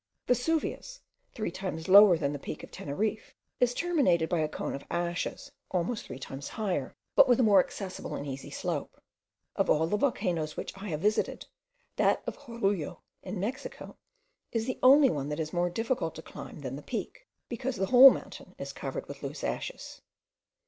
Vesuvius, three times lower than the peak of Teneriffe, is terminated by a cone of ashes almost three times higher, but with a more accessible and easy slope. Of all the volcanoes which I have visited, that of Jorullo, in Mexico, is the only one that is more difficult to climb than the Peak, because the whole mountain is covered with loose ashes.